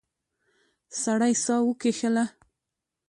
سړی ساه وکیښله.